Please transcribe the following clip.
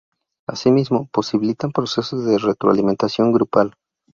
Asimismo, posibilitan procesos de retroalimentación grupal.